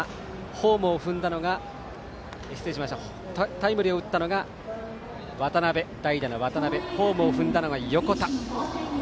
タイムリーを放ったのが代打の渡邊ホームを踏んだのが横田。